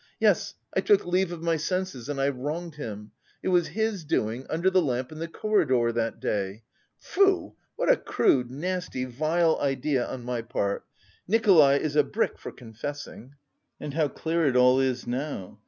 Yes, I took leave of my senses and I wronged him! It was his doing, under the lamp in the corridor that day. Pfoo! What a crude, nasty, vile idea on my part! Nikolay is a brick, for confessing.... And how clear it all is now!